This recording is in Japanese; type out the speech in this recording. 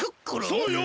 そうよ！